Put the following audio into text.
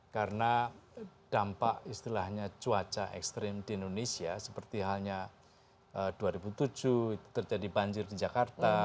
karena dampak istilahnya cuaca ekstrim di indonesia seperti halnya dua ribu tujuh terjadi banjir di jakarta